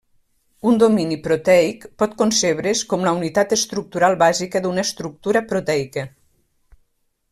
Un domini proteic pot concebre's com la unitat estructural bàsica d'una estructura proteica.